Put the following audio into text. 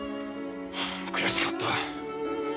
悔しかった。